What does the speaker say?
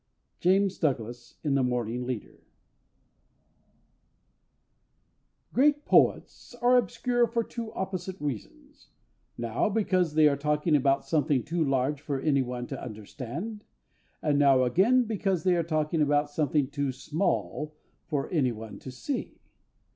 JAMES DOUGLAS, in The Morning Leader. Great poets are obscure for two opposite reasons; now, because they are talking about something too large for anyone to understand, and now, again, because they are talking about something too small for anyone to see.